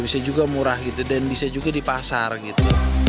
bisa juga murah gitu dan bisa juga di pasar gitu